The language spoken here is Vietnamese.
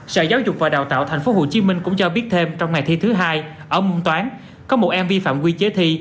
sở giáo dục và đào tạo tp hcm cũng cho biết thêm trong ngày thi thứ hai ở môn toán có một em vi phạm quy chế thi